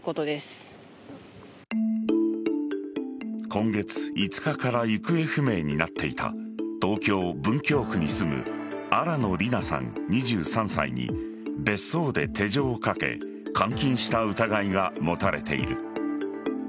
今月５日から行方不明になっていた東京・文京区に住む新野りなさん、２３歳に別荘で手錠をかけ監禁した疑いが持たれている。